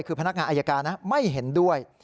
คือพนักงานอายการไม่เห็นด้วย